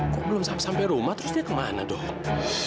kok belum sampai rumah terus dia kemana tuh